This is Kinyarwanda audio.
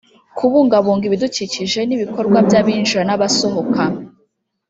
kubungabunga ibidukikije n’ibikorwa by’abinjira n’abasohoka